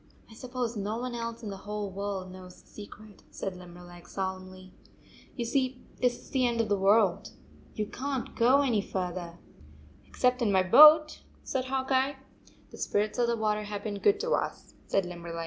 " I suppose no one else in the whole world knows the secret," said Limberleg solemnly. "You see this is the end of the world. You can t go any farther." 162 " Except in my boat," said Hawk Eye. " The spirits of the water have been good to us," said Limberleg.